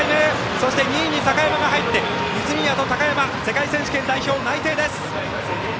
そして、２位に高山が入って泉谷と高山が世界選手権代表内定です！